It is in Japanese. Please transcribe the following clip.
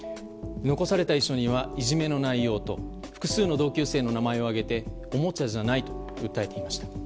残された遺書にはいじめの内容と複数の同級生の名前を挙げておもちゃじゃないと訴えていました。